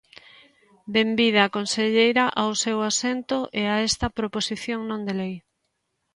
Benvida, conselleira, ao seu asento e a esta proposición non de lei.